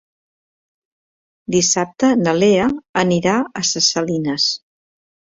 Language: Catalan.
Dissabte na Lea anirà a Ses Salines.